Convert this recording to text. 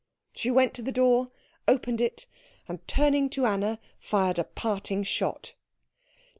She went to the door, opened it, and turning to Anna fired a parting shot.